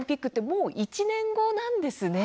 もう１年後なんですね。